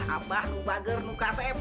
abah nubagernu kaseh